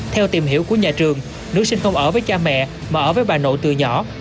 theo tìm hiểu của nhà trường nữ sinh không ở với cha mẹ mà ở với bà nội từ nhỏ